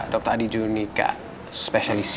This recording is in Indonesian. dokter adi junika specialist